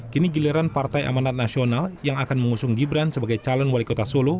kini giliran partai amanat nasional yang akan mengusung gibran sebagai calon wali kota solo